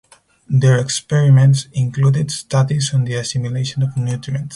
Their experiments included studies on the assimilation of nutrients.